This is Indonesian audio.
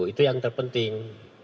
itu yang terpenting